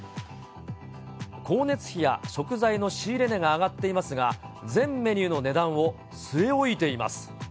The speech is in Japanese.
光熱費や食材の仕入れ値が上がっていますが、全メニューの値段を据え置いています。